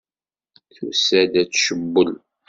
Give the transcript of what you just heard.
Tusa-d ad tcewwel.